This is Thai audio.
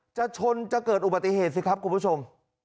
จะชนจะเกิดอุบัติเหตุสิครับคุณผู้ชม